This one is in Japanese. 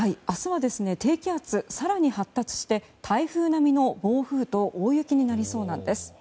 明日は低気圧更に発達して台風並みの暴風と大雪になりそうなんです。